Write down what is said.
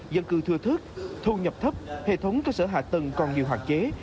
dân cư thưa thức thu nhập thấp hệ thống cơ sở hạ tầng còn nhiều hoạt chế